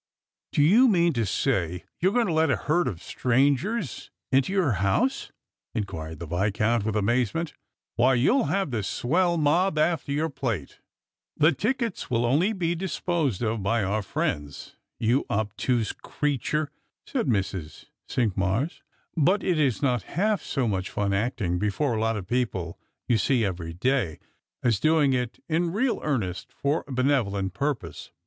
" Do you mean to say you're going to let a herd of strangers mto your house ?" inquired the Viscount with amazement. " Why, you'll have the swell mob after your plate 1 "" The tickets will be only disposed of by our friends, yon ob tuse creature," said Mrs. Cinqmars ;" but it's not half so much fun acting before a lot of people you see every day, as doing it In real earnest for a benevolent purpose.